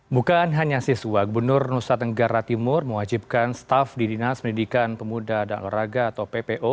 bukan hanya siswa gubernur nusa tenggara timur mewajibkan staff di dinas pendidikan pemuda dan olahraga atau ppo